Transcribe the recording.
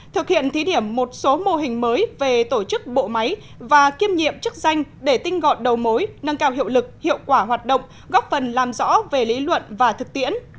thực hiện thí điểm một số mô hình mới về tổ chức bộ máy và kiêm nhiệm chức danh để tinh gọn đầu mối nâng cao hiệu lực hiệu quả hoạt động góp phần làm rõ về lý luận và thực tiễn